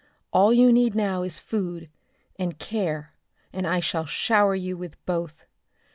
All you need now is food, and care, and I shall shower you with both.